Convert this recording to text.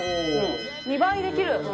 ２倍できる！